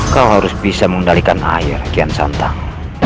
kau harus bisa mengendalikan air gensantang